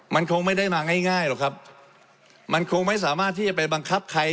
มันคงไม่ได้มาง่ายง่ายหรอกครับมันคงไม่สามารถที่จะไปบังคับใคร